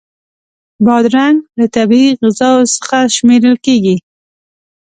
بادرنګ له طبعی غذاوو څخه شمېرل کېږي.